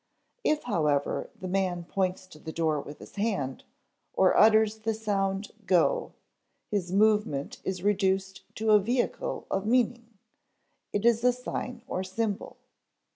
If, however, the man points to the door with his hand, or utters the sound go, his movement is reduced to a vehicle of meaning: it is a sign or symbol.